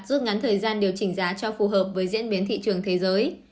rút ngắn thời gian điều chỉnh giá cho phù hợp với diễn biến thị trường thế giới